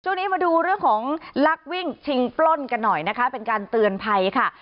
ช่วงนี้มาดูเรื่องของลักวิ่งชิงปล้นกันหน่อยนะคะเป็นการเตือนภัยค่ะ